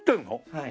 はい。